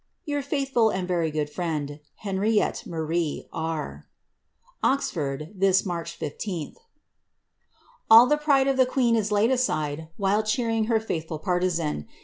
Tour fkithAil and very good fViend, Hxira»TTB Mabii^ B. "Oxford, this March 15." All the pride of the queen is laid aside while cheering her fiuthM partisan.